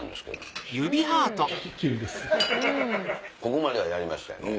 ここまではやりましたよね。